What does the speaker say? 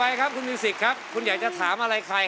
ยักษ์ไหม